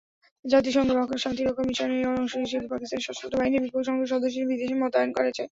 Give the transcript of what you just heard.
জাতিসংঘের শান্তিরক্ষা মিশনের অংশ হিসেবে পাকিস্তানের সশস্ত্র বাহিনীর বিপুল সংখ্যক সদস্য বিদেশে মোতায়েন রয়েছে।